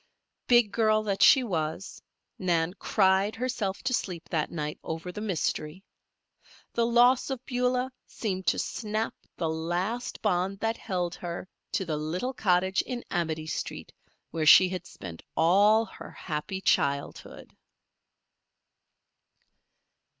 Big girl that she was, Nan cried herself to sleep that night over the mystery. The loss of Beulah seemed to snap the last bond that held her to the little cottage in Amity street, where she had spent all her happy childhood.